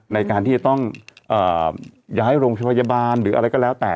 ในการที่จะต้องย้ายโรงพยาบาลหรืออะไรก็แล้วแต่